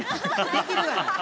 できるがな。